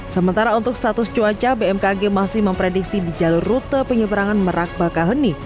sementara untuk status cuaca bmkg masih memprediksi di jalur rute penyeberangan merak bakaheni